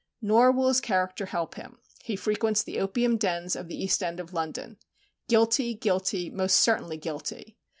Nor will his character help him. He frequents the opium dens of the East end of London. Guilty, guilty, most certainly guilty.